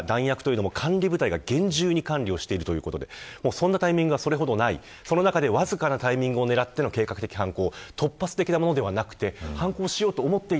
そんなタイミングはそれほどないその中でわずかなタイミングを狙っての計画犯行。